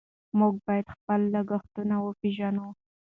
موږ باید خپل لګښتونه وپېژنو.